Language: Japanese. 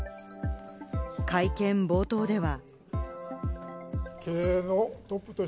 会見冒頭では。